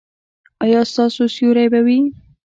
ایا ستاسو سیوری به وي؟